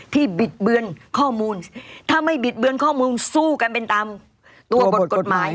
บิดเบือนข้อมูลถ้าไม่บิดเบือนข้อมูลสู้กันเป็นตามตัวบทกฎหมาย